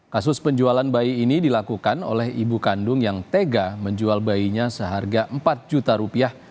kasus penjualan bayi ini dilakukan oleh ibu kandung yang tega menjual bayinya seharga empat juta rupiah